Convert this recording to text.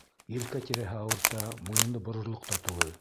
Елкә тирәһе ауырта, муйынды борорлоҡ та түгел.